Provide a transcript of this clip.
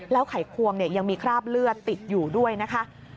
ไขควงยังมีคราบเลือดติดอยู่ด้วยนะคะ